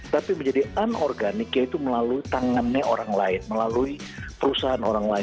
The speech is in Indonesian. tapi menjadi anorganik yaitu melalui tangannya orang lain melalui perusahaan orang lain